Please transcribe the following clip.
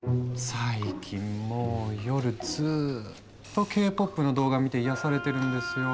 最近もう夜ずっとＫ−ＰＯＰの動画見て癒やされてるんですよ。